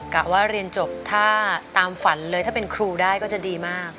กะว่าเรียนจบถ้าตามฝันเลยถ้าเป็นครูได้ก็จะดีมาก